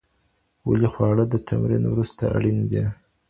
ولې خواړه د تمرین وروسته اړین دي؟